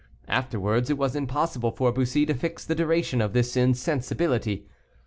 Afterwards, it was impossible for Bussy to fix the duration of this insensibility.